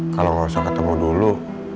kalau nggak usah ketemu dulu